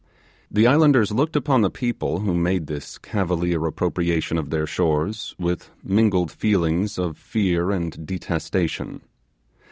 The islanders looked upon the people who made this cavalier appropriation of their shores with mingled feelings of fear and detestation.